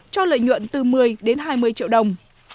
cho lợi nhuận từ một mươi đến hai mươi triệu đồng